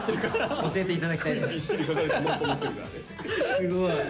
すごい。